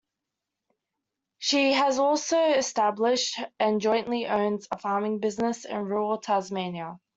She has also established and jointly owns a farming business in rural Tasmania.